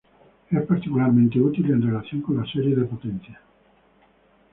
Es particularmente útil en relación con las series de potencias.